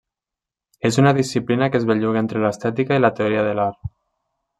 És una disciplina que es belluga entre l'estètica i la teoria de l'art.